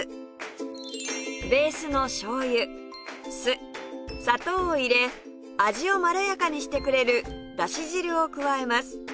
ベースの醤油酢砂糖を入れ味をまろやかにしてくれるだし汁を加えます